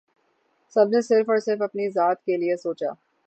سب نے صرف اور صرف اپنی ذات کے لیئے سوچا